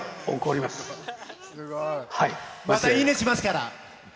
またいいね、しますから。